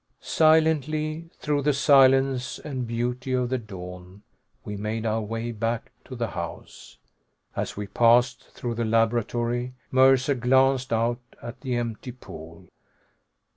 Silently, through the silence and beauty of the dawn, we made our way back to the house. As we passed through the laboratory, Mercer glanced out at the empty pool.